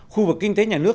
khu vực kinh tế nhà nước